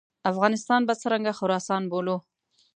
افغانستان به څرنګه خراسان بولو.